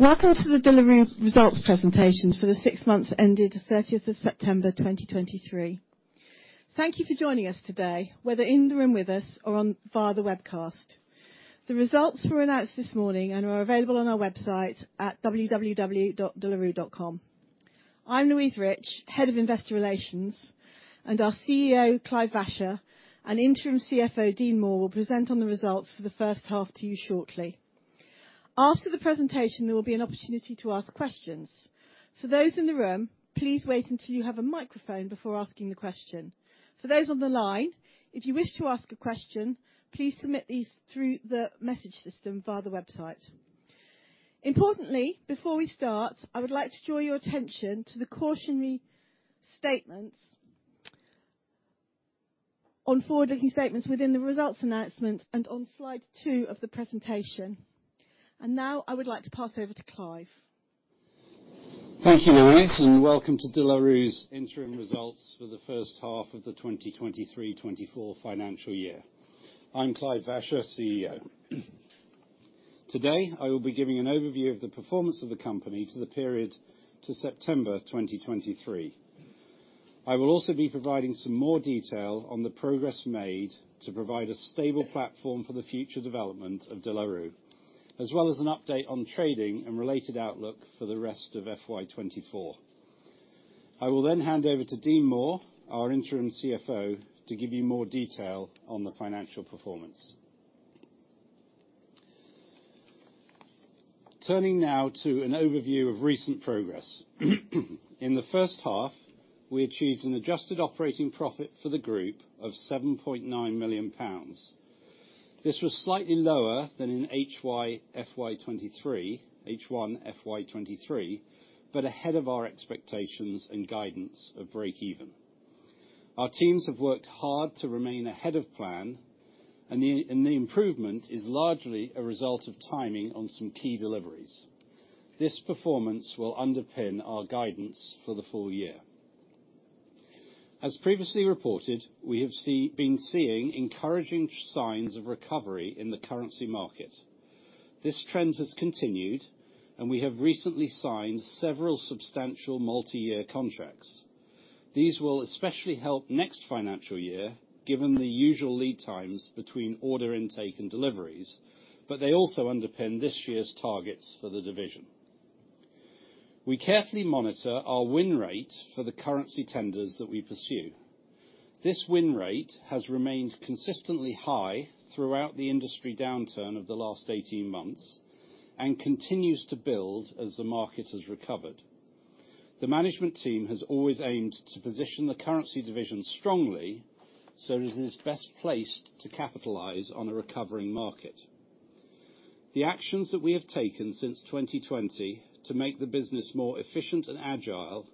Welcome to the delivering results presentation for the six months ended the thirtieth of September 2023. Thank you for joining us today, whether in the room with us or online via the webcast. The results were announced this morning and are available on our website at www.delarue.com. I'm Louise Rich, Head of Investor Relations, and our CEO, Clive Vacher, and Interim CFO, Dean Moore, will present on the results for the first half to you shortly. After the presentation, there will be an opportunity to ask questions. For those in the room, please wait until you have a microphone before asking the question. For those on the line, if you wish to ask a question, please submit these through the message system via the website. Importantly, before we start, I would like to draw your attention to the cautionary statements on forward-looking statements within the results announcement and on slide 2 of the presentation. Now, I would like to pass over to Clive. Thank you, Louise, and welcome to De La Rue's interim results for the first half of the 2023-24 financial year. I'm Clive Vacher, CEO. Today, I will be giving an overview of the performance of the company to the period to September 2023. I will also be providing some more detail on the progress made to provide a stable platform for the future development of De La Rue, as well as an update on trading and related outlook for the rest of FY 2024. I will then hand over to Dean Moore, our Interim CFO, to give you more detail on the financial performance. Turning now to an overview of recent progress. In the first half, we achieved an adjusted operating profit for the group of 7.9 million pounds. This was slightly lower than in HY FY 2023, H1 FY 2023, but ahead of our expectations and guidance of breakeven. Our teams have worked hard to remain ahead of plan, and the improvement is largely a result of timing on some key deliveries. This performance will underpin our guidance for the full year. As previously reported, we have been seeing encouraging signs of recovery in the currency market. This trend has continued, and we have recently signed several substantial multi-year contracts. These will especially help next financial year, given the usual lead times between order intake and deliveries, but they also underpin this year's targets for the division. We carefully monitor our win rate for the currency tenders that we pursue. This win rate has remained consistently high throughout the industry downturn of the last 18 months and continues to build as the market has recovered. The management team has always aimed to position the currency division strongly, so it is best placed to capitalize on a recovering market. The actions that we have taken since 2020 to make the business more efficient and agile,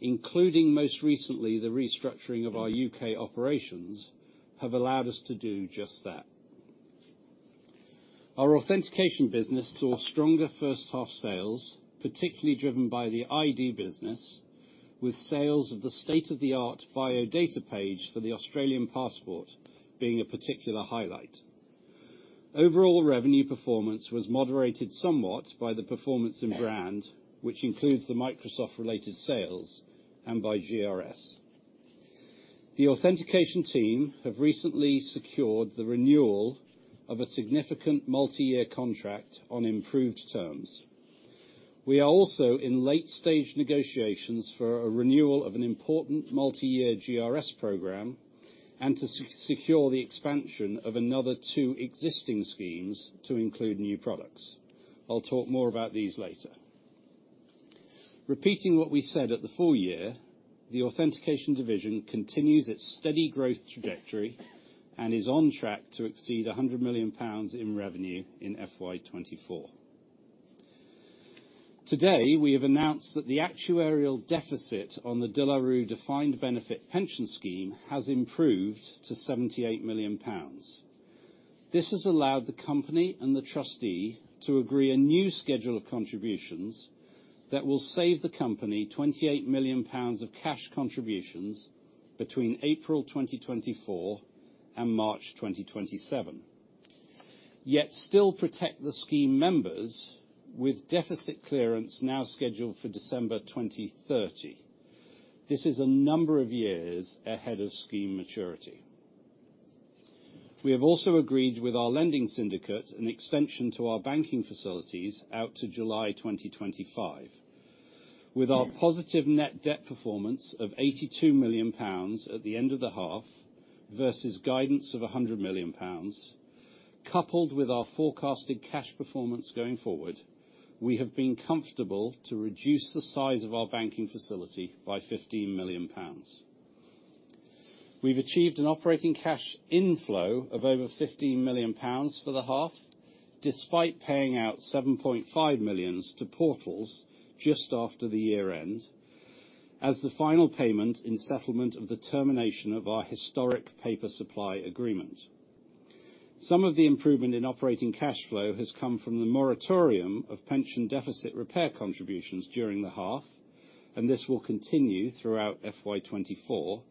including, most recently, the restructuring of our UK operations, have allowed us to do just that. Our authentication business saw stronger first half sales, particularly driven by the ID business, with sales of the state-of-the-art biodata page for the Australian passport being a particular highlight. Overall revenue performance was moderated somewhat by the performance in brand, which includes the Microsoft-related sales and by GRS. The authentication team have recently secured the renewal of a significant multi-year contract on improved terms. We are also in late stage negotiations for a renewal of an important multi-year GRS program and to secure the expansion of another two existing schemes to include new products. I'll talk more about these later. Repeating what we said at the full year, the authentication division continues its steady growth trajectory and is on track to exceed 100 million pounds in revenue in FY 2024. Today, we have announced that the actuarial deficit on the De La Rue Defined Benefit Pension Scheme has improved to 78 million pounds. This has allowed the company and the trustee to agree a new schedule of contributions that will save the company 28 million pounds of cash contributions between April 2024 and March 2027, yet still protect the scheme members, with deficit clearance now scheduled for December 2030. This is a number of years ahead of scheme maturity. We have also agreed with our lending syndicate an extension to our banking facilities out to July 2025. With our positive net debt performance of 82 million pounds at the end of the half versus guidance of 100 million pounds, coupled with our forecasted cash performance going forward, we have been comfortable to reduce the size of our banking facility by 15 million pounds. We've achieved an operating cash inflow of over 15 million pounds for the half, despite paying out 7.5 million to Portals just after the year end, as the final payment in settlement of the termination of our historic paper supply agreement. Some of the improvement in operating cash flow has come from the moratorium of pension deficit repair contributions during the half... and this will continue throughout FY 2024.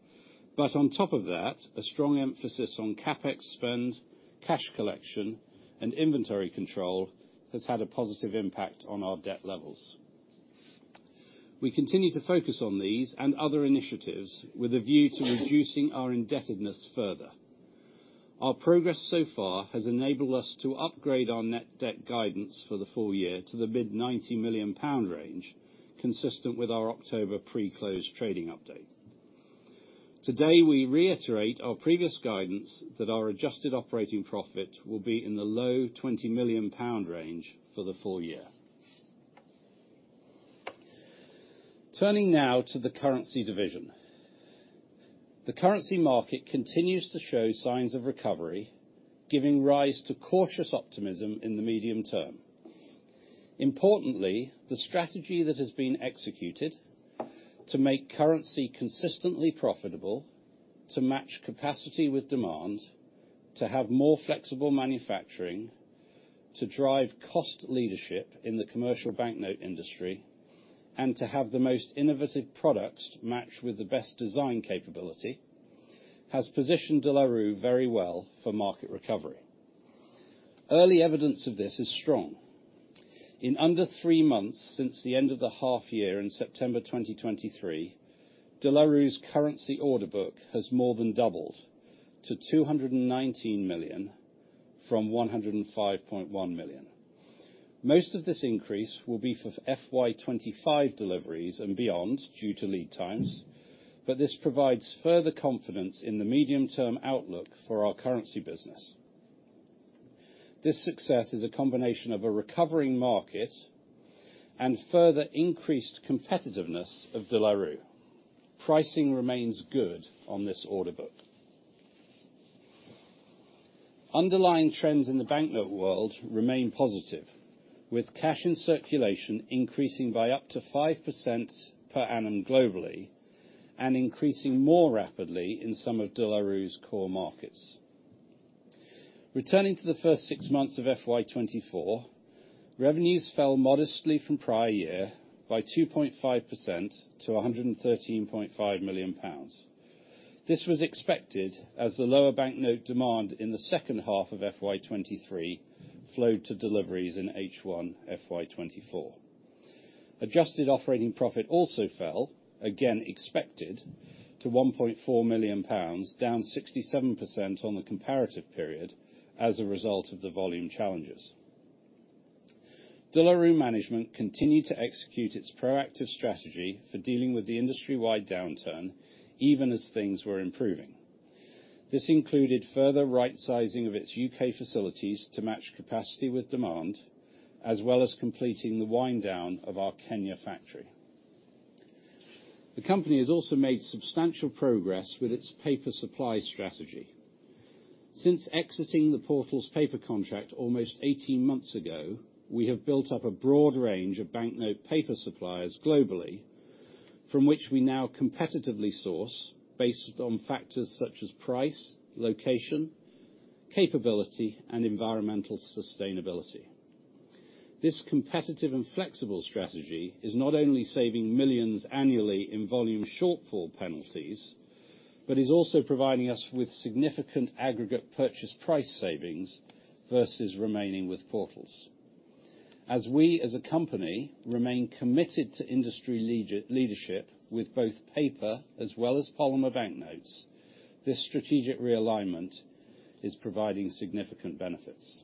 But on top of that, a strong emphasis on CapEx spend, cash collection, and inventory control has had a positive impact on our debt levels. We continue to focus on these and other initiatives, with a view to reducing our indebtedness further. Our progress so far has enabled us to upgrade our net debt guidance for the full year to the mid-GBP 90 million range, consistent with our October pre-close trading update. Today, we reiterate our previous guidance that our adjusted operating profit will be in the low 20 million pound range for the full year. Turning now to the currency division. The currency market continues to show signs of recovery, giving rise to cautious optimism in the medium term. Importantly, the strategy that has been executed to make currency consistently profitable, to match capacity with demand, to have more flexible manufacturing, to drive cost leadership in the commercial banknote industry, and to have the most innovative products matched with the best design capability, has positioned De La Rue very well for market recovery. Early evidence of this is strong. In under three months since the end of the half year in September 2023, De La Rue's currency order book has more than doubled to 219 million from 105.1 million. Most of this increase will be for FY 2025 deliveries and beyond, due to lead times, but this provides further confidence in the medium-term outlook for our currency business. This success is a combination of a recovering market and further increased competitiveness of De La Rue. Pricing remains good on this order book. Underlying trends in the banknote world remain positive, with cash in circulation increasing by up to 5% per annum globally, and increasing more rapidly in some of De La Rue's core markets. Returning to the first six months of FY 2024, revenues fell modestly from prior year by 2.5% to 113.5 million pounds. This was expected, as the lower banknote demand in the second half of FY 2023 flowed to deliveries in H1 FY 2024. Adjusted operating profit also fell, again expected, to 1.4 million pounds, down 67% on the comparative period as a result of the volume challenges. De La Rue management continued to execute its proactive strategy for dealing with the industry-wide downturn, even as things were improving. This included further right-sizing of its U.K. facilities to match capacity with demand, as well as completing the wind down of our Kenya factory. The company has also made substantial progress with its paper supply strategy. Since exiting the Portals paper contract almost 18 months ago, we have built up a broad range of banknote paper suppliers globally, from which we now competitively source based on factors such as price, location, capability, and environmental sustainability. This competitive and flexible strategy is not only saving millions annually in volume shortfall penalties, but is also providing us with significant aggregate purchase price savings versus remaining with Portals. As we, as a company, remain committed to industry leadership with both paper as well as polymer banknotes, this strategic realignment is providing significant benefits.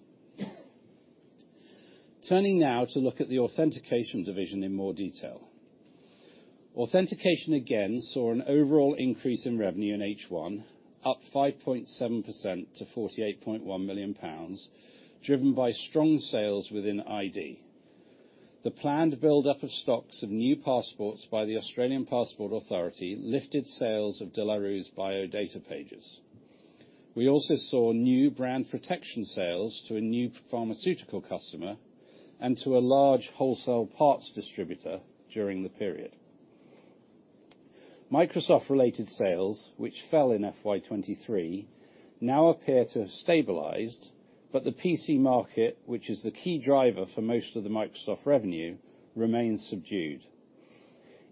Turning now to look at the authentication division in more detail. Authentication again saw an overall increase in revenue in H1, up 5.7% to 48.1 million pounds, driven by strong sales within ID. The planned buildup of stocks of new passports by the Australian Passport Authority lifted sales of De La Rue's biodata pages. We also saw new brand protection sales to a new pharmaceutical customer and to a large wholesale parts distributor during the period. Microsoft-related sales, which fell in FY 2023, now appear to have stabilized, but the PC market, which is the key driver for most of the Microsoft revenue, remains subdued.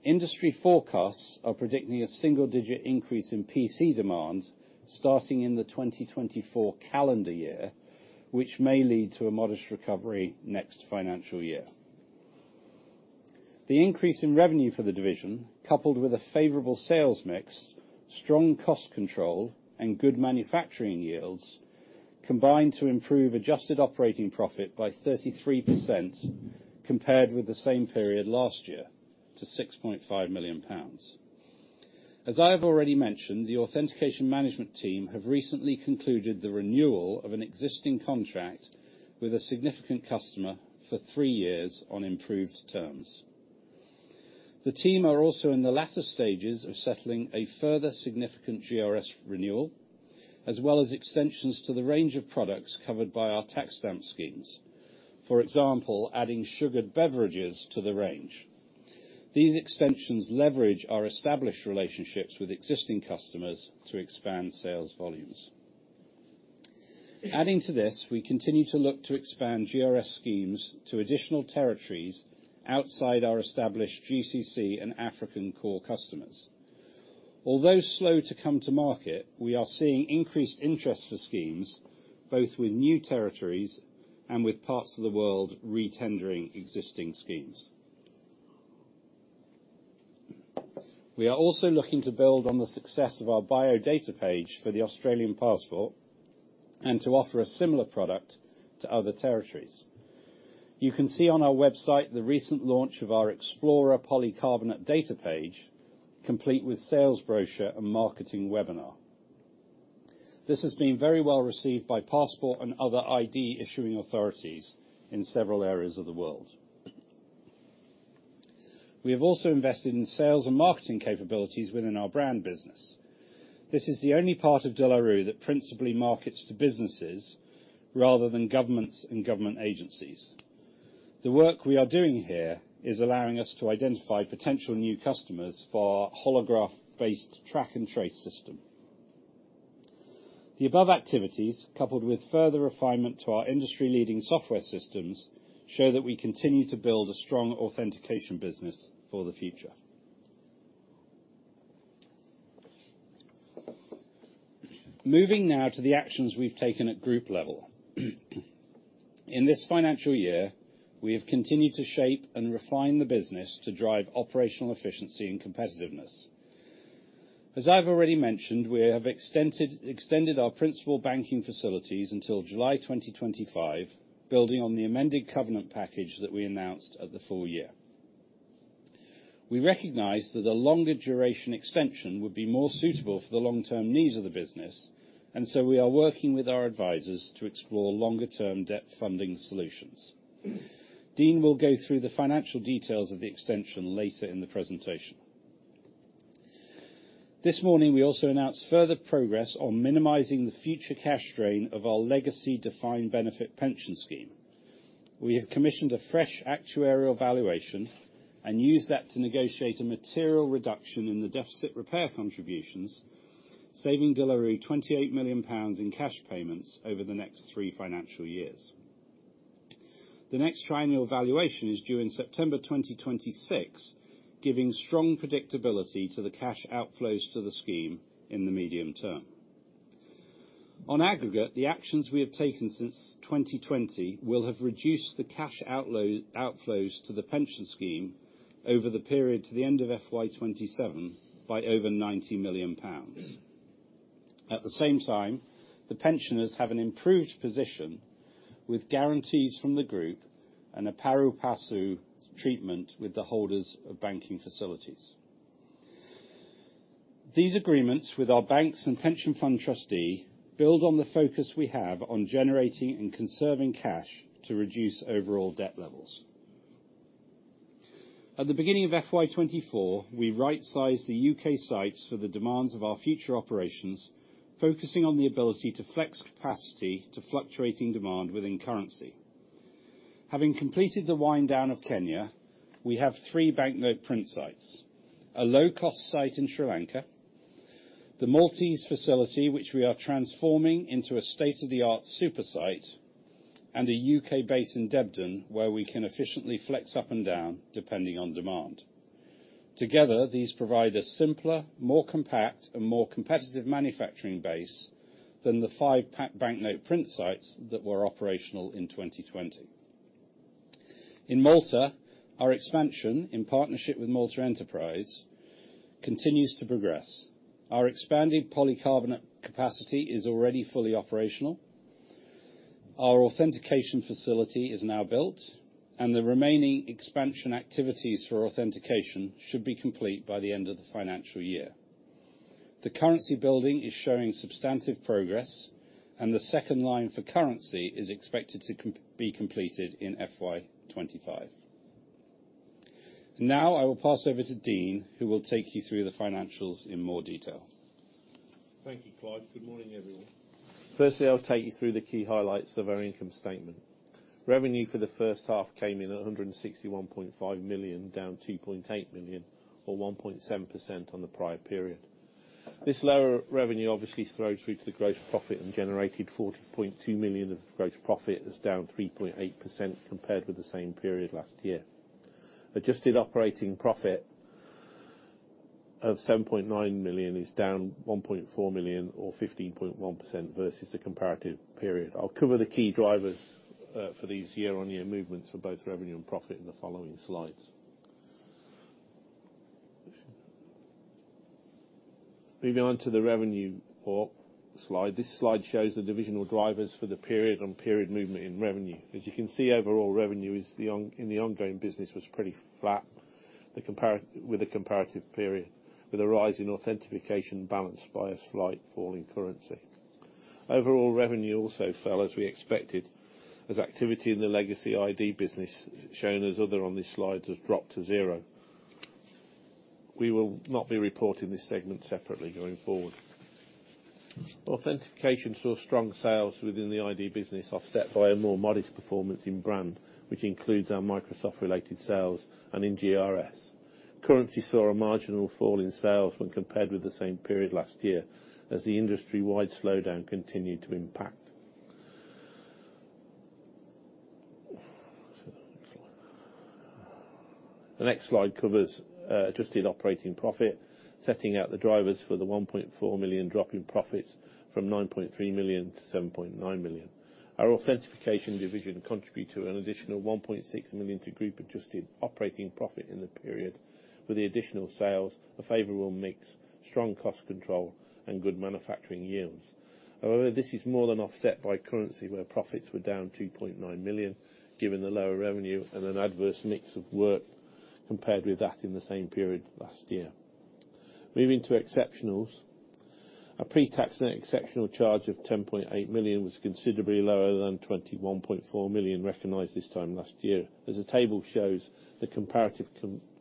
Industry forecasts are predicting a single-digit increase in PC demand starting in the 2024 calendar year, which may lead to a modest recovery next financial year. The increase in revenue for the division, coupled with a favorable sales mix, strong cost control, and good manufacturing yields, combined to improve adjusted operating profit by 33% compared with the same period last year, to 6.5 million pounds. As I have already mentioned, the authentication management team have recently concluded the renewal of an existing contract with a significant customer for three years on improved terms. The team are also in the latter stages of settling a further significant GRS renewal, as well as extensions to the range of products covered by our tax stamp schemes. For example, adding sugared beverages to the range. These extensions leverage our established relationships with existing customers to expand sales volumes. Adding to this, we continue to look to expand GRS schemes to additional territories outside our established GCC and African core customers. Although slow to come to market, we are seeing increased interest for schemes, both with new territories and with parts of the world retendering existing schemes. We are also looking to build on the success of our biodata page for the Australian passport, and to offer a similar product to other territories. You can see on our website the recent launch of our Explorer polycarbonate data page, complete with sales brochure and marketing webinar. This has been very well received by passport and other ID issuing authorities in several areas of the world. We have also invested in sales and marketing capabilities within our brand business. This is the only part of De La Rue that principally markets to businesses rather than governments and government agencies. The work we are doing here is allowing us to identify potential new customers for our holograph-based track and trace system. The above activities, coupled with further refinement to our industry-leading software systems, show that we continue to build a strong authentication business for the future. Moving now to the actions we've taken at group level. In this financial year, we have continued to shape and refine the business to drive operational efficiency and competitiveness. As I've already mentioned, we have extended our principal banking facilities until July 2025, building on the amended covenant package that we announced at the full year. We recognize that a longer duration extension would be more suitable for the long-term needs of the business, and so we are working with our advisors to explore longer-term debt funding solutions. Dean will go through the financial details of the extension later in the presentation. This morning, we also announced further progress on minimizing the future cash drain of our legacy defined benefit pension scheme. We have commissioned a fresh actuarial valuation and used that to negotiate a material reduction in the deficit repair contributions, saving De La Rue 28 million pounds in cash payments over the next three financial years. The next triennial valuation is due in September 2026, giving strong predictability to the cash outflows to the scheme in the medium term. On aggregate, the actions we have taken since 2020 will have reduced the cash outflows to the pension scheme over the period to the end of FY 2027 by over 90 million pounds. At the same time, the pensioners have an improved position, with guarantees from the group and a pari passu treatment with the holders of banking facilities. These agreements with our banks and pension fund trustee build on the focus we have on generating and conserving cash to reduce overall debt levels. At the beginning of FY 2024, we rightsized the UK sites for the demands of our future operations, focusing on the ability to flex capacity to fluctuating demand within currency. Having completed the wind down of Kenya, we have 3 banknote print sites: a low-cost site in Sri Lanka, the Maltese facility, which we are transforming into a state-of-the-art super site, and a UK base in Debden, where we can efficiently flex up and down, depending on demand. Together, these provide a simpler, more compact, and more competitive manufacturing base than the 5 banknote print sites that were operational in 2020. In Malta, our expansion, in partnership with Malta Enterprise, continues to progress. Our expanded polycarbonate capacity is already fully operational, our authentication facility is now built, and the remaining expansion activities for authentication should be complete by the end of the financial year. The currency building is showing substantive progress, and the second line for currency is expected to be completed in FY 25. Now, I will pass over to Dean, who will take you through the financials in more detail. Thank you, Clive. Good morning, everyone. Firstly, I'll take you through the key highlights of our income statement. Revenue for the first half came in at 161.5 million, down 2.8 million, or 1.7% on the prior period. This lower revenue obviously flowed through to the gross profit and generated 40.2 million of gross profit, that's down 3.8% compared with the same period last year. Adjusted operating profit of 7.9 million is down 1.4 million, or 15.1% versus the comparative period. I'll cover the key drivers for these year-on-year movements for both revenue and profit in the following slides. Moving on to the revenue port slide. This slide shows the divisional drivers for the period-on-period movement in revenue. As you can see, overall revenue in the ongoing business was pretty flat compared with the comparative period, with a rise in authentication balanced by a slight fall in currency. Overall revenue also fell, as we expected, as activity in the legacy ID business, shown as Other on this slide, has dropped to zero. We will not be reporting this segment separately going forward. Authentication saw strong sales within the ID business, offset by a more modest performance in brand, which includes our Microsoft-related sales and in GRS. Currency saw a marginal fall in sales when compared with the same period last year, as the industry-wide slowdown continued to impact. The next slide covers adjusted operating profit, setting out the drivers for the 1.4 million drop in profits from 9.3 million to 7.9 million. Our authentication division contributed to an additional 1.6 million to group adjusted operating profit in the period, with the additional sales, a favorable mix, strong cost control, and good manufacturing yields. However, this is more than offset by currency, where profits were down 2.9 million, given the lower revenue and an adverse mix of work compared with that in the same period last year. Moving to exceptionals, a pre-tax net exceptional charge of 10.8 million was considerably lower than 21.4 million recognized this time last year. As the table shows, the comparative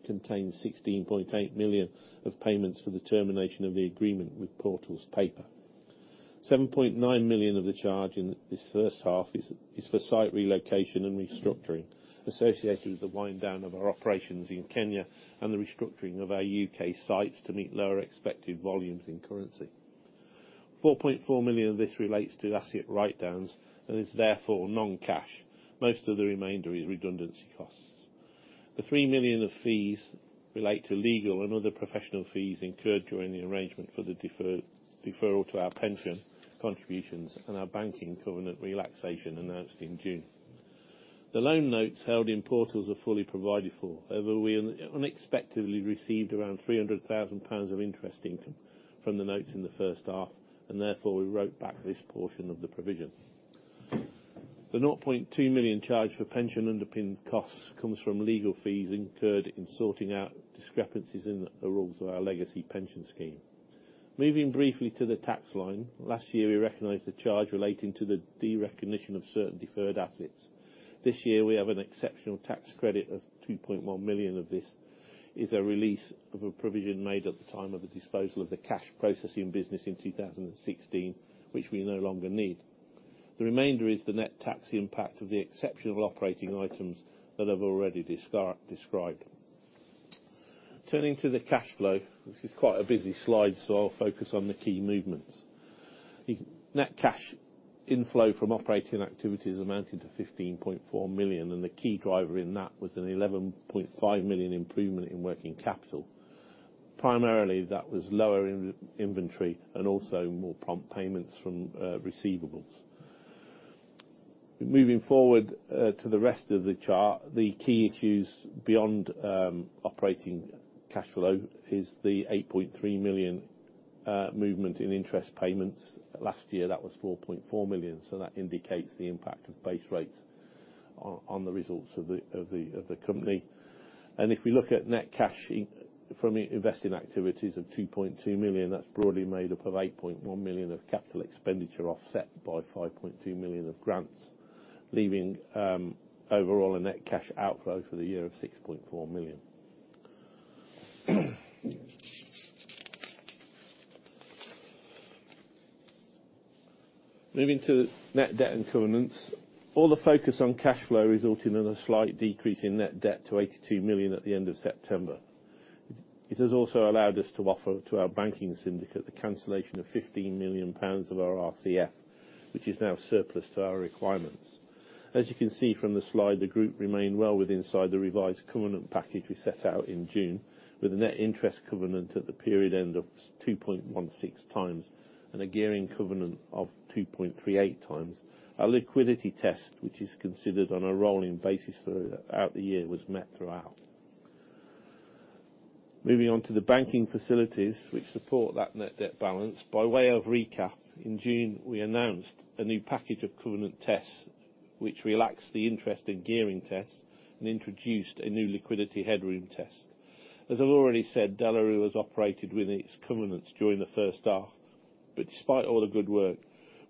contains 16.8 million of payments for the termination of the agreement with Portals. 7.9 million of the charge in this first half is for site relocation and restructuring, associated with the wind down of our operations in Kenya, and the restructuring of our UK sites to meet lower expected volumes and currency. 4.4 million of this relates to asset write-downs, and is therefore non-cash. Most of the remainder is redundancy costs. The 3 million of fees relate to legal and other professional fees incurred during the arrangement for the deferral to our pension contributions and our banking covenant relaxation announced in June. The loan notes held in Portals are fully provided for. However, we unexpectedly received around 300,000 pounds of interest income from the notes in the first half, and therefore, we wrote back this portion of the provision. The 0.2 million charge for pension underpin costs comes from legal fees incurred in sorting out discrepancies in the rules of our legacy pension scheme. Moving briefly to the tax line, last year, we recognized the charge relating to the derecognition of certain deferred assets. This year, we have an exceptional tax credit of 2.1 million. Of this, is a release of a provision made at the time of the disposal of the cash processing business in 2016, which we no longer need. The remainder is the net tax impact of the exceptional operating items that I've already described. Turning to the cash flow, this is quite a busy slide, so I'll focus on the key movements. The net cash inflow from operating activities amounted to 15.4 million, and the key driver in that was an 11.5 million improvement in working capital. Primarily, that was lower in inventory, and also more prompt payments from receivables. Moving forward to the rest of the chart, the key issues beyond operating cash flow is the 8.3 million movement in interest payments. Last year, that was 4.4 million, so that indicates the impact of base rates on the results of the company. If we look at net cash from investing activities of 2.2 million, that's broadly made up of 8.1 million of capital expenditure, offset by 5.2 million of grants, leaving overall a net cash outflow for the year of 6.4 million. Moving to net debt and covenants, all the focus on cash flow resulted in a slight decrease in net debt to 82 million at the end of September. It has also allowed us to offer to our banking syndicate the cancellation of 15 million pounds of our RCF, which is now surplus to our requirements. As you can see from the slide, the group remained well within inside the revised covenant package we set out in June, with a net interest covenant at the period end of 2.16 times, and a gearing covenant of 2.38 times. Our liquidity test, which is considered on a rolling basis throughout the year, was met throughout. Moving on to the banking facilities, which support that net debt balance. By way of recap, in June, we announced a new package of covenant tests, which relaxed the interest in gearing tests and introduced a new liquidity headroom test. As I've already said, De La Rue has operated within its covenants during the first half, but despite all the good work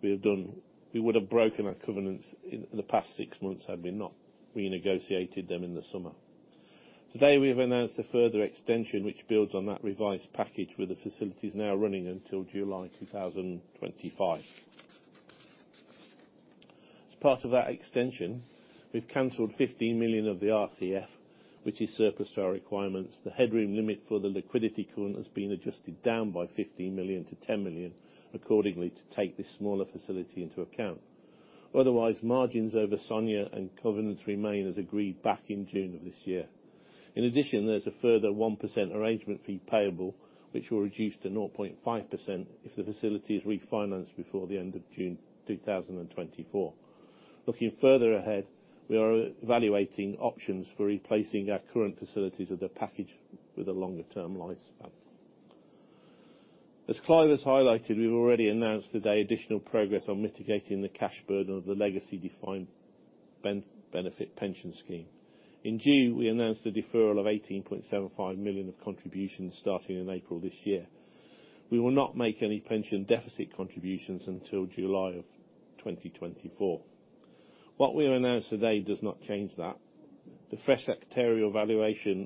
we have done, we would have broken our covenants in the past six months had we not renegotiated them in the summer. Today, we have announced a further extension, which builds on that revised package, with the facilities now running until July 2025. As part of that extension, we've canceled 15 million of the RCF, which is surplus to our requirements. The headroom limit for the liquidity covenant has been adjusted down by 15 million to 10 million, accordingly, to take this smaller facility into account. Otherwise, margins over SONIA and covenants remain as agreed back in June of this year. In addition, there's a further 1% arrangement fee payable, which will reduce to 0.5% if the facility is refinanced before the end of June 2024. Looking further ahead, we are evaluating options for replacing our current facilities with a package with a longer term lifespan. As Clive has highlighted, we've already announced today additional progress on mitigating the cash burden of the legacy defined benefit pension scheme. In June, we announced a deferral of 18.75 million of contributions starting in April this year. We will not make any pension deficit contributions until July 2024. What we have announced today does not change that. The fresh actuarial valuation,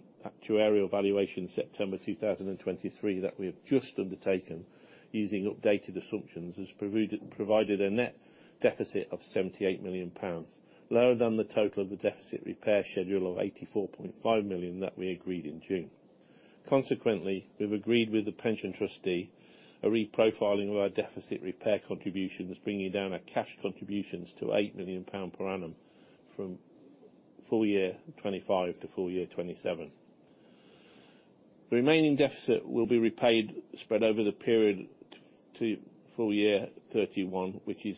September 2023, that we have just undertaken, using updated assumptions, has provided a net deficit of 78 million pounds, lower than the total of the deficit repair schedule of 84.5 million that we agreed in June. Consequently, we've agreed with the pension trustee a reprofiling of our deficit repair contributions, bringing down our cash contributions to 8 million pound per annum from full year 2025 to full year 2027. The remaining deficit will be repaid, spread over the period to full year 2031, which is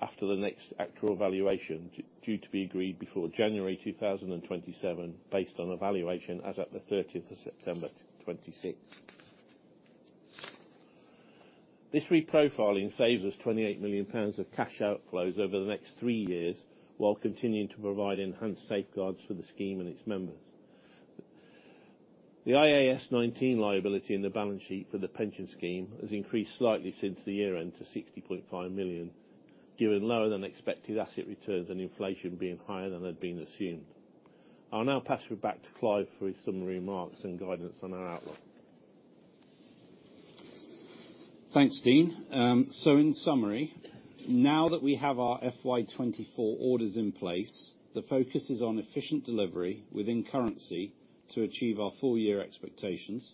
after the next actual valuation, due to be agreed before January 2027, based on a valuation as at the thirtieth of September 2026. This reprofiling saves us 28 million pounds of cash outflows over the next 3 years, while continuing to provide enhanced safeguards for the scheme and its members. The IAS 19 liability in the balance sheet for the pension scheme has increased slightly since the year end to 60.5 million, given lower than expected asset returns and inflation being higher than had been assumed. I'll now pass you back to Clive for his summary remarks and guidance on our outlook. Thanks, Dean. So in summary, now that we have our FY 2024 orders in place, the focus is on efficient delivery within currency to achieve our full year expectations,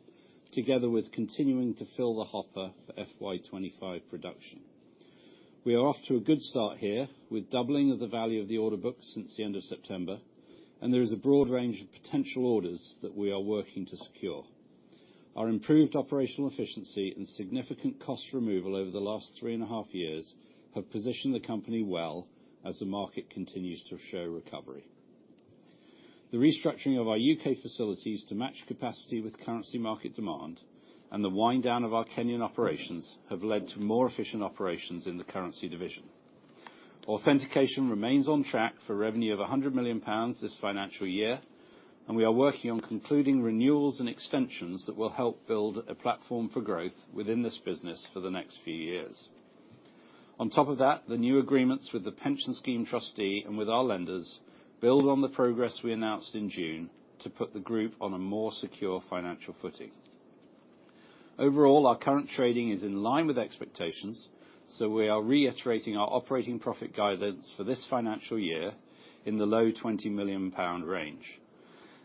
together with continuing to fill the hopper for FY 2025 production. We are off to a good start here, with doubling of the value of the order book since the end of September, and there is a broad range of potential orders that we are working to secure. Our improved operational efficiency and significant cost removal over the last 3.5 years have positioned the company well as the market continues to show recovery. The restructuring of our U.K. facilities to match capacity with currency market demand and the wind down of our Kenyan operations have led to more efficient operations in the currency division. Authentication remains on track for revenue of GBP 100 million this financial year, and we are working on concluding renewals and extensions that will help build a platform for growth within this business for the next few years. On top of that, the new agreements with the pension scheme trustee and with our lenders build on the progress we announced in June to put the group on a more secure financial footing. Overall, our current trading is in line with expectations, so we are reiterating our operating profit guidance for this financial year in the low 20 million pound range.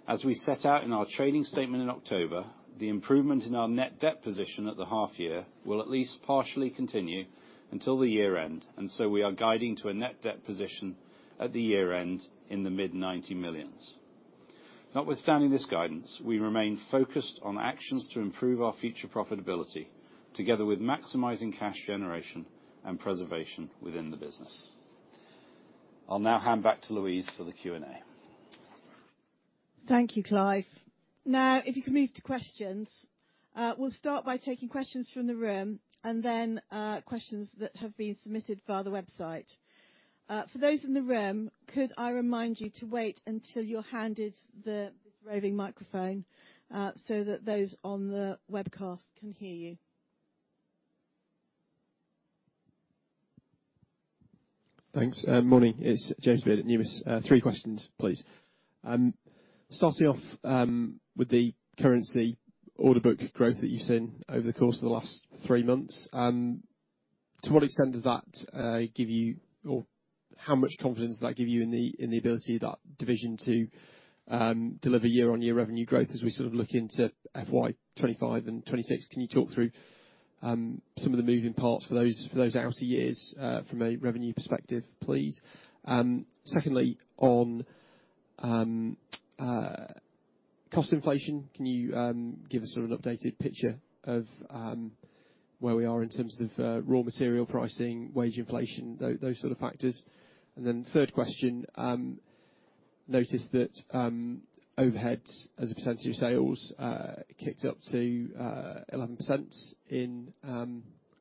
As we set out in our trading statement in October, the improvement in our net debt position at the half year will at least partially continue until the year end, and so we are guiding to a net debt position at the year end in the mid-90 million. Notwithstanding this guidance, we remain focused on actions to improve our future profitability, together with maximizing cash generation and preservation within the business. I'll now hand back to Louise for the Q&A. Thank you, Clive. Now, if you can move to questions. We'll start by taking questions from the room and then, questions that have been submitted via the website. For those in the room, could I remind you to wait until you're handed the roving microphone, so that those on the webcast can hear you? Thanks. Morning, it's James Beard at Numis. Three questions, please. Starting off, with the currency order book growth that you've seen over the course of the last three months, to what extent does that give you- or how much confidence does that give you in the ability of that division to deliver year-on-year revenue growth as we sort of look into FY 2025 and 2026? Can you talk through some of the moving parts for those outer years from a revenue perspective, please? Secondly, on cost inflation, can you give us sort of an updated picture of where we are in terms of raw material pricing, wage inflation, those sort of factors? Third question, noticed that overheads as a percentage of sales kicked up to 11% in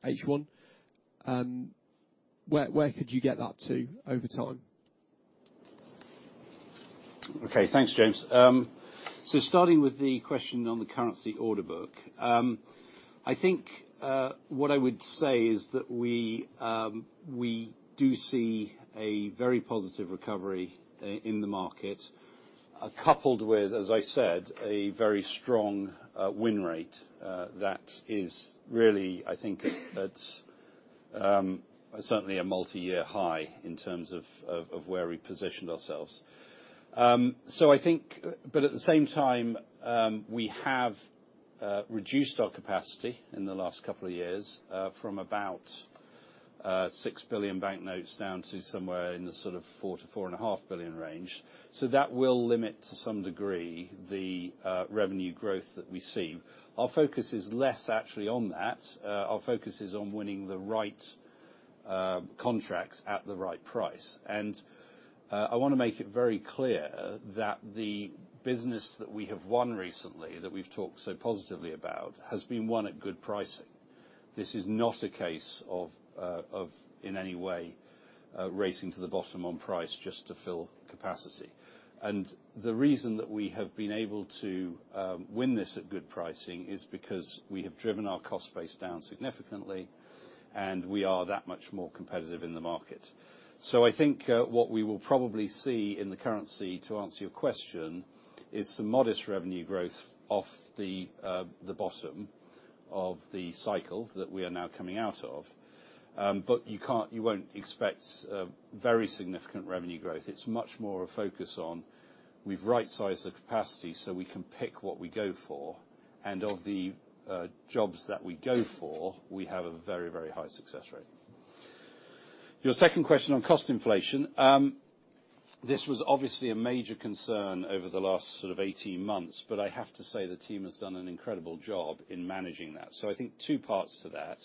H1. Where could you get that to over time? Okay. Thanks, James. So starting with the question on the currency order book, I think what I would say is that we do see a very positive recovery in the market, coupled with, as I said, a very strong win rate that is really, I think, at certainly a multi-year high in terms of where we positioned ourselves. So I think, but at the same time, we have reduced our capacity in the last couple of years, from about 6 billion banknotes down to somewhere in the sort of 4-4.5 billion range. So that will limit to some degree the revenue growth that we see. Our focus is less actually on that. Our focus is on winning the right contracts at the right price. I want to make it very clear that the business that we have won recently, that we've talked so positively about, has been won at good pricing. This is not a case of, of in any way, racing to the bottom on price just to fill capacity. The reason that we have been able to, win this at good pricing is because we have driven our cost base down significantly, and we are that much more competitive in the market. I think, what we will probably see in the currency, to answer your question, is some modest revenue growth off the, the bottom... of the cycle that we are now coming out of. You can't, you won't expect, very significant revenue growth. It's much more a focus on, we've right-sized the capacity so we can pick what we go for, and of the jobs that we go for, we have a very, very high success rate. Your second question on cost inflation. This was obviously a major concern over the last sort of 18 months, but I have to say, the team has done an incredible job in managing that. So I think two parts to that.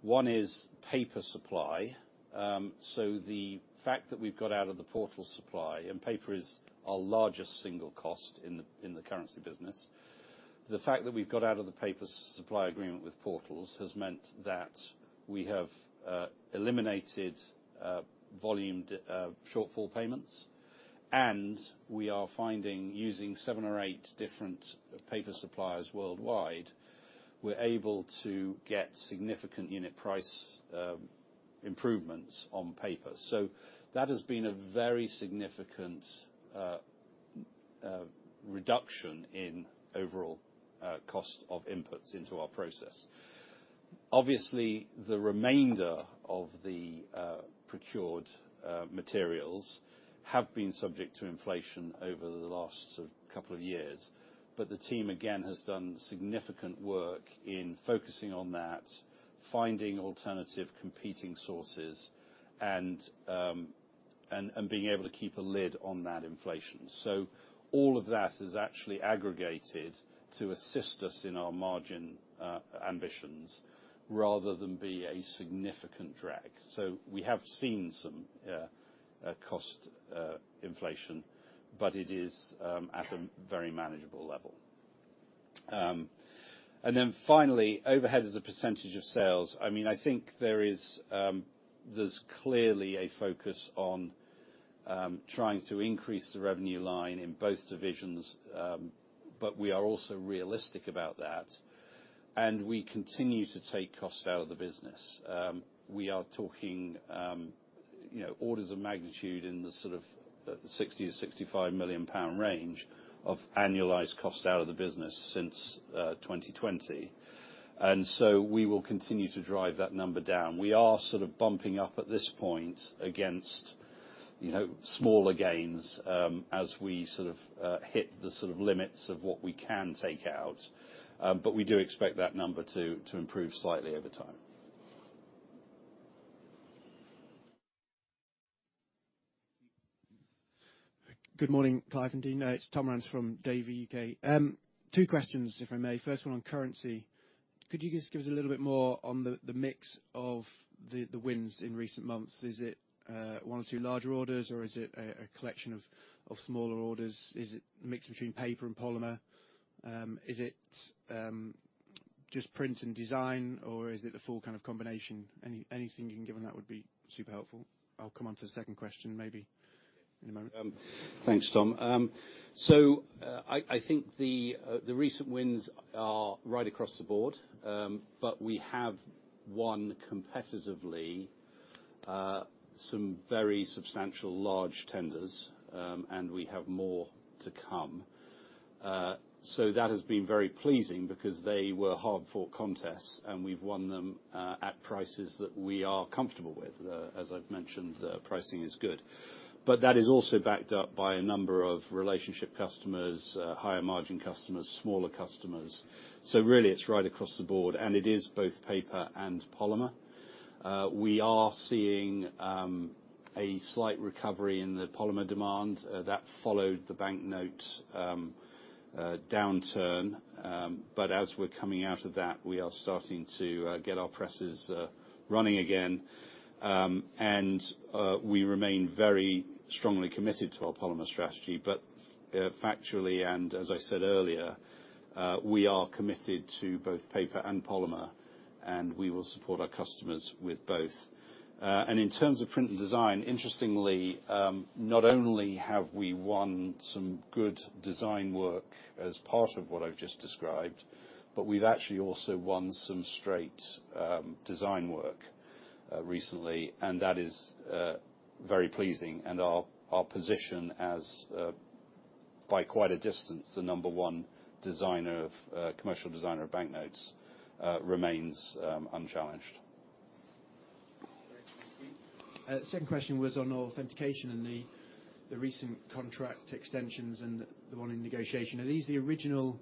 One is paper supply. So the fact that we've got out of the Portals supply, and paper is our largest single cost in the, in the currency business. The fact that we've got out of the paper supply agreement with Portals has meant that we have eliminated volume shortfall payments. We are finding, using seven or eight different paper suppliers worldwide, we're able to get significant unit price improvements on paper. So that has been a very significant reduction in overall cost of inputs into our process. Obviously, the remainder of the procured materials have been subject to inflation over the last sort of couple of years, but the team, again, has done significant work in focusing on that, finding alternative competing sources, and being able to keep a lid on that inflation. So all of that is actually aggregated to assist us in our margin ambitions, rather than be a significant drag. So we have seen some cost inflation, but it is at a very manageable level. And then finally, overhead as a percentage of sales. I mean, I think there is, there's clearly a focus on, trying to increase the revenue line in both divisions, but we are also realistic about that, and we continue to take costs out of the business. We are talking, you know, orders of magnitude in the sort of 60-65 million pound range of annualized cost out of the business since 2020. And so we will continue to drive that number down. We are sort of bumping up at this point against, you know, smaller gains, as we sort of, hit the sort of limits of what we can take out. But we do expect that number to improve slightly over time. Good morning, Clive and team. It's Tom Rance from Davy UK. Two questions, if I may. First one on currency. Could you just give us a little bit more on the mix of the wins in recent months? Is it one or two larger orders, or is it a collection of smaller orders? Is it a mix between paper and polymer? Is it just print and design, or is it the full kind of combination? Anything you can give on that would be super helpful. I'll come on to the second question, maybe in a moment. Thanks, Tom. So, I think the recent wins are right across the board. But we have won competitively some very substantial large tenders, and we have more to come. So that has been very pleasing because they were hard-fought contests, and we've won them at prices that we are comfortable with. As I've mentioned, the pricing is good. But that is also backed up by a number of relationship customers, higher margin customers, smaller customers. So really, it's right across the board, and it is both paper and polymer. We are seeing a slight recovery in the polymer demand that followed the banknote downturn. But as we're coming out of that, we are starting to get our presses running again. We remain very strongly committed to our polymer strategy. Factually, and as I said earlier, we are committed to both paper and polymer, and we will support our customers with both. In terms of print and design, interestingly, not only have we won some good design work as part of what I've just described, but we've actually also won some straight design work recently, and that is very pleasing. Our position as, by quite a distance, the number one designer of commercial designer of banknotes remains unchallenged. Second question was on authentication and the recent contract extensions and the one in negotiation. Are these the original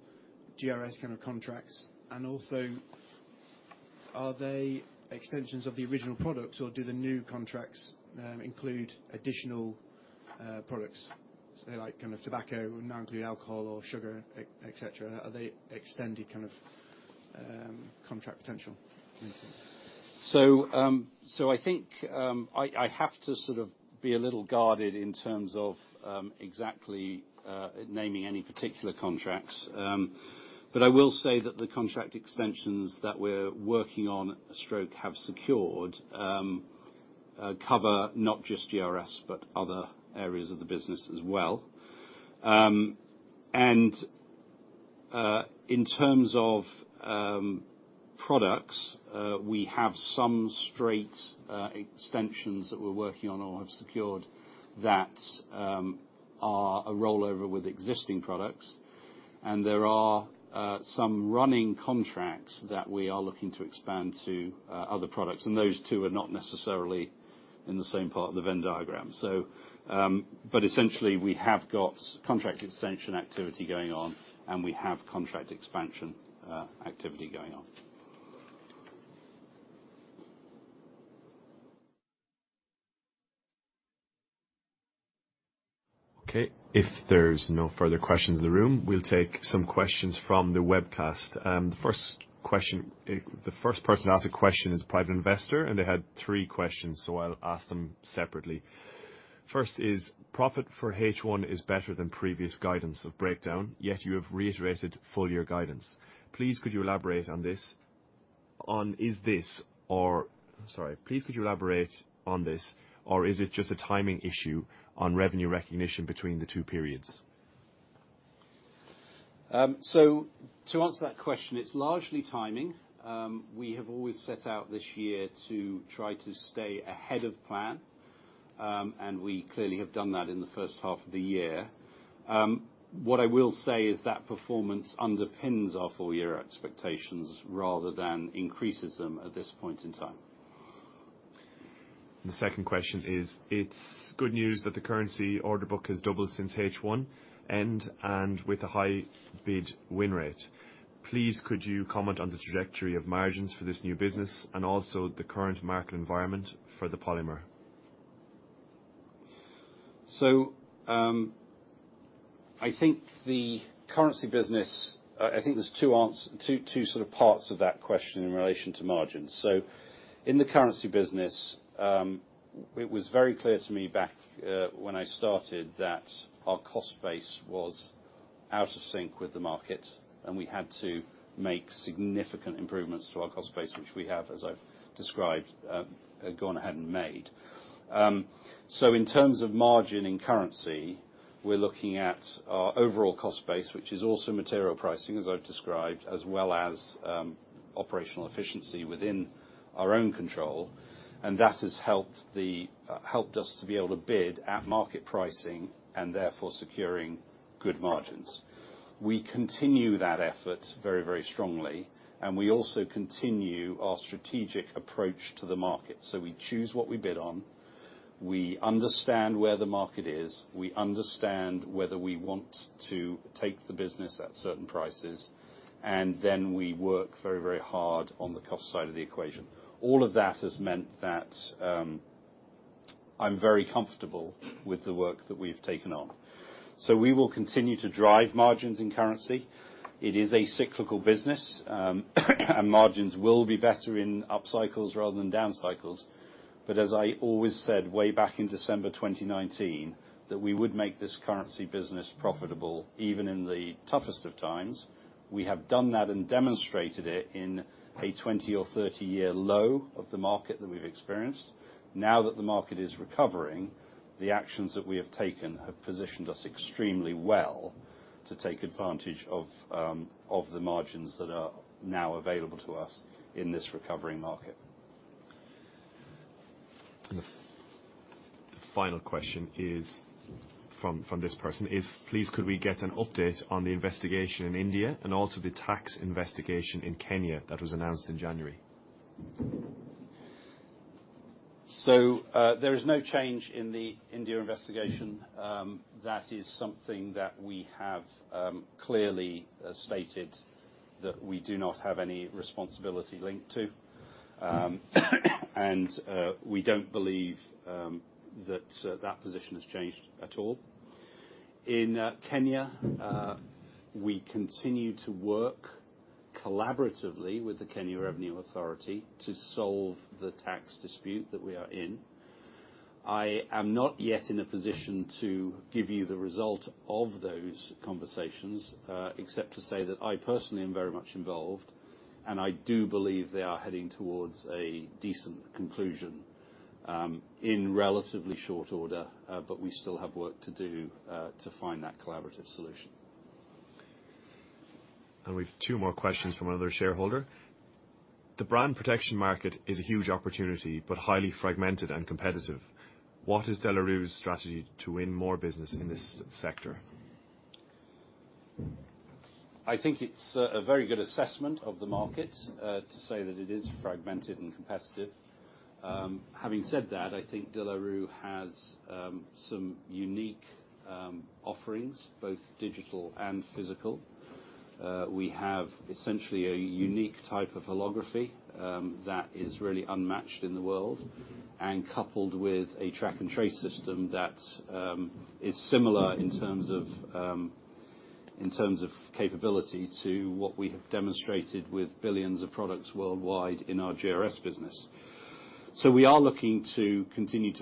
GRS kind of contracts? And also, are they extensions of the original products, or do the new contracts include additional products? So they like kind of tobacco, now include alcohol or sugar, etc. Are they extended kind of contract potential? So, I think I have to sort of be a little guarded in terms of exactly naming any particular contracts. But I will say that the contract extensions that we're working on stroke have secured cover not just GRS, but other areas of the business as well. And in terms of products, we have some straight extensions that we're working on or have secured that are a rollover with existing products. And there are some running contracts that we are looking to expand to other products, and those two are not necessarily in the same part of the Venn diagram. So, but essentially, we have got contract extension activity going on, and we have contract expansion activity going on. Okay, if there's no further questions in the room, we'll take some questions from the webcast. The first question, the first person to ask a question is a private investor, and they had three questions, so I'll ask them separately. First is: profit for H1 is better than previous guidance of breakdown, yet you have reiterated full year guidance. Please, could you elaborate on this, or is it just a timing issue on revenue recognition between the two periods? So to answer that question, it's largely timing. We have always set out this year to try to stay ahead of plan. And we clearly have done that in the first half of the year. What I will say is that performance underpins our full year expectations rather than increases them at this point in time. The second question is: It's good news that the currency order book has doubled since H1, and with a high bid win rate. Please, could you comment on the trajectory of margins for this new business and also the current market environment for the polymer? So, I think the currency business, I think there's two, two sort of parts of that question in relation to margins. So in the currency business, it was very clear to me back, when I started, that our cost base was out of sync with the market, and we had to make significant improvements to our cost base, which we have, as I've described, gone ahead and made. So in terms of margin and currency, we're looking at our overall cost base, which is also material pricing, as I've described, as well as, operational efficiency within our own control, and that has helped the, helped us to be able to bid at market pricing and therefore securing good margins. We continue that effort very, very strongly, and we also continue our strategic approach to the market. So we choose what we bid on, we understand where the market is, we understand whether we want to take the business at certain prices, and then we work very, very hard on the cost side of the equation. All of that has meant that, I'm very comfortable with the work that we've taken on. So we will continue to drive margins in currency. It is a cyclical business, and margins will be better in up cycles rather than down cycles. But as I always said, way back in December 2019, that we would make this currency business profitable, even in the toughest of times. We have done that and demonstrated it in a 20- or 30-year low of the market that we've experienced. Now that the market is recovering, the actions that we have taken have positioned us extremely well to take advantage of the margins that are now available to us in this recovering market. The final question is, from this person, is: Please, could we get an update on the investigation in India and also the tax investigation in Kenya that was announced in January? There is no change in the India investigation. That is something that we have clearly stated that we do not have any responsibility linked to. We don't believe that position has changed at all. In Kenya, we continue to work collaboratively with the Kenya Revenue Authority to solve the tax dispute that we are in. I am not yet in a position to give you the result of those conversations, except to say that I personally am very much involved, and I do believe they are heading towards a decent conclusion, in relatively short order, but we still have work to do, to find that collaborative solution. We've two more questions from another shareholder. The brand protection market is a huge opportunity, but highly fragmented and competitive. What is De La Rue's strategy to win more business in this sector? I think it's a very good assessment of the market to say that it is fragmented and competitive. Having said that, I think De La Rue has some unique offerings, both digital and physical. We have essentially a unique type of holography that is really unmatched in the world, and coupled with a track-and-trace system that is similar in terms of, in terms of capability to what we have demonstrated with billions of products worldwide in our GRS business. So we are looking to continue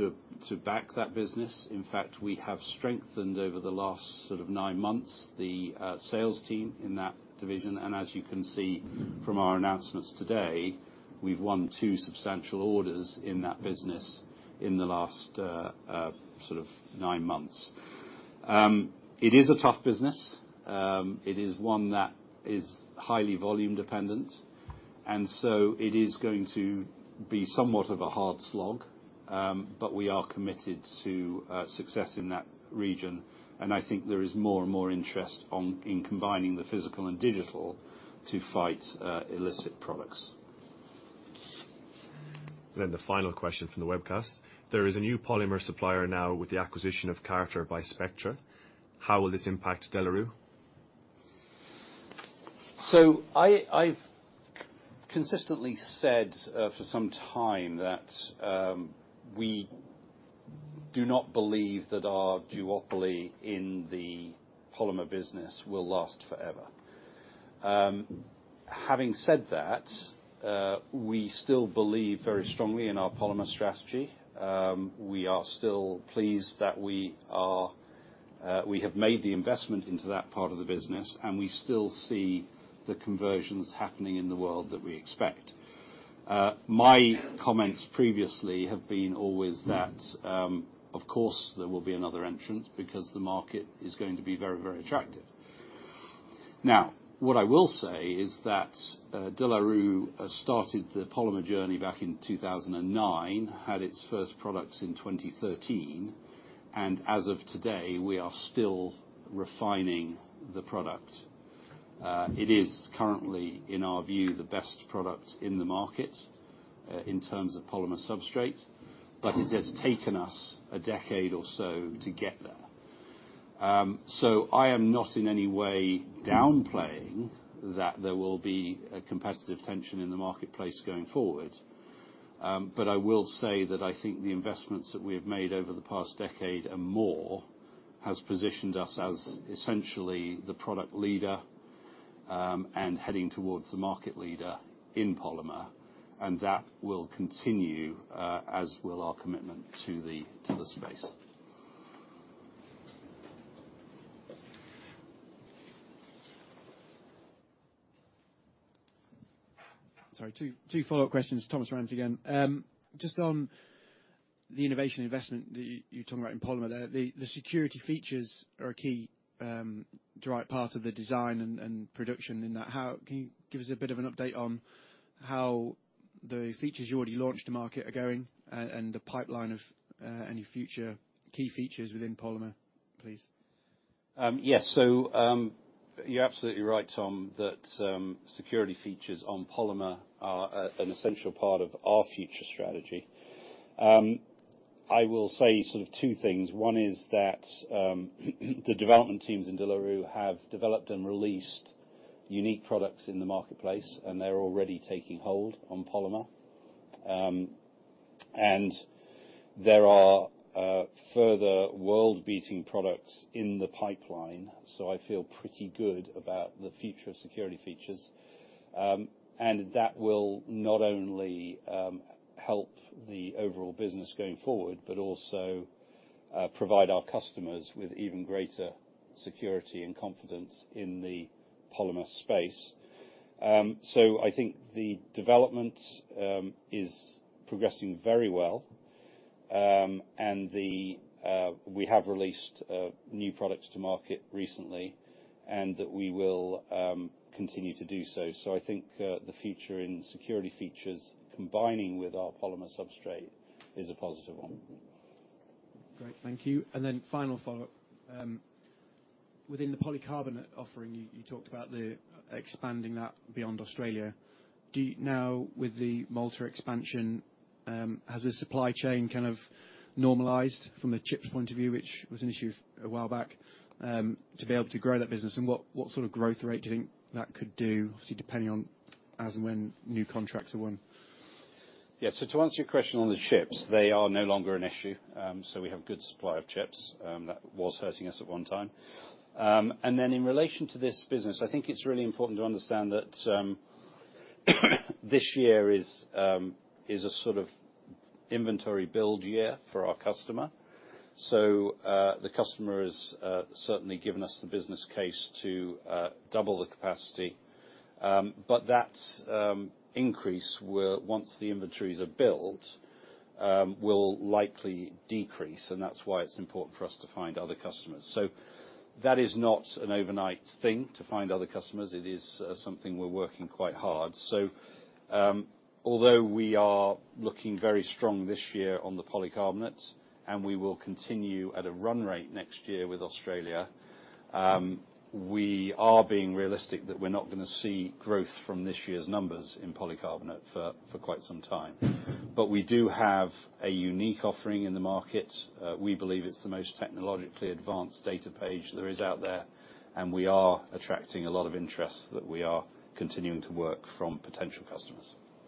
to back that business. In fact, we have strengthened over the last sort of nine months the sales team in that division, and as you can see from our announcements today... we've won two substantial orders in that business in the last sort of nine months. It is a tough business. It is one that is highly volume dependent, and so it is going to be somewhat of a hard slog. But we are committed to success in that region, and I think there is more and more interest in combining the physical and digital to fight illicit products. Then the final question from the webcast: There is a new polymer supplier now with the acquisition of Cartor by Spectra. How will this impact De La Rue? So I, I've consistently said for some time that we do not believe that our duopoly in the polymer business will last forever. Having said that, we still believe very strongly in our polymer strategy. We are still pleased that we are we have made the investment into that part of the business, and we still see the conversions happening in the world that we expect. My comments previously have been always that of course, there will be another entrant because the market is going to be very, very attractive. Now, what I will say is that De La Rue started the polymer journey back in 2009, had its first products in 2013, and as of today, we are still refining the product. It is currently, in our view, the best product in the market, in terms of polymer substrate, but it has taken us a decade or so to get there. So I am not in any way downplaying that there will be a competitive tension in the marketplace going forward. But I will say that I think the investments that we have made over the past decade and more has positioned us as essentially the product leader, and heading towards the market leader in polymer, and that will continue, as will our commitment to the space. Sorry, two follow-up questions. Tom Rance again. Just on the innovation investment that you, you're talking about in polymer, the security features are a key drive part of the design and production in that. How can you give us a bit of an update on how the features you already launched to market are going and the pipeline of any future key features within polymer, please? Yes. So, you're absolutely right, Tom, that security features on polymer are an essential part of our future strategy. I will say sort of two things. One is that the development teams in De La Rue have developed and released unique products in the marketplace, and they're already taking hold on polymer. And there are further world-beating products in the pipeline, so I feel pretty good about the future of security features. And that will not only help the overall business going forward, but also provide our customers with even greater security and confidence in the polymer space. So I think the development is progressing very well, and we have released new products to market recently, and that we will continue to do so. So I think, the future in security features, combining with our polymer substrate, is a positive one. Great, thank you. And then final follow-up. Within the polycarbonate offering, you talked about expanding that beyond Australia. Do you now, with the Malta expansion, has the supply chain kind of normalized from a chips point of view, which was an issue a while back, to be able to grow that business? And what sort of growth rate do you think that could do, obviously, depending on as and when new contracts are won? Yeah. So to answer your question on the chips, they are no longer an issue. So we have good supply of chips, that was hurting us at one time. And then in relation to this business, I think it's really important to understand that this year is a sort of inventory build year for our customer. So the customer has certainly given us the business case to double the capacity. But that increase will, once the inventories are built, will likely decrease, and that's why it's important for us to find other customers. So that is not an overnight thing to find other customers. It is something we're working quite hard. So, although we are looking very strong this year on the polycarbonates, and we will continue at a run rate next year with Australia, we are being realistic that we're not gonna see growth from this year's numbers in polycarbonate for quite some time. But we do have a unique offering in the market. We believe it's the most technologically advanced data page there is out there, and we are attracting a lot of interest that we are continuing to work from potential customers.